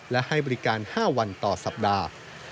และให้บริการ๕วันต่อสัปดาห์